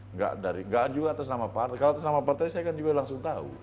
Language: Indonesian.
nggak juga atas nama partai kalau atas nama partai saya kan juga langsung tahu